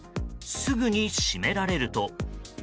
すぐに閉められると。